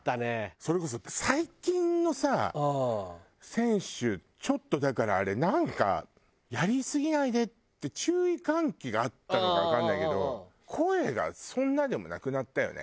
それこそ最近のさ選手ちょっとだからあれなんか「やりすぎないで」って注意喚起があったのかわかんないけど声がそんなでもなくなったよね。